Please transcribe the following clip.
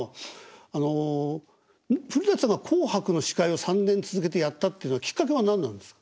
あの古さんが「紅白」の司会を３年続けてやったっていうのはきっかけは何なんですか？